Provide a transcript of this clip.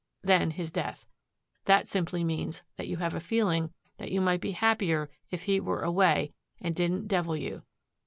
Then his death. That simply means that you have a feeling that you might be happier if he were away and didn't devil you.